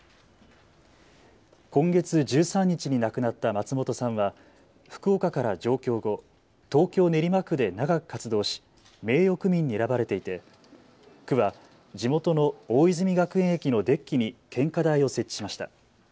今月１３日に亡くなった松本さんは福岡から上京後、東京練馬区で長く活動し名誉区民に選ばれていて区は地元の大泉学園駅のデッキに献花台を設置しました。